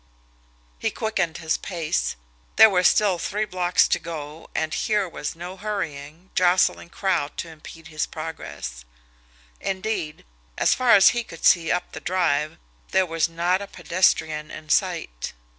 He quickened his pace. There were still three blocks to go, and here was no hurrying, jostling crowd to impede his progress; indeed, as far as he could see up the Drive, there was not a pedestrian in sight.